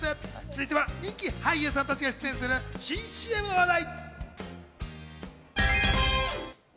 続いては人気俳優さんたちが出演する、新ＣＭの話題！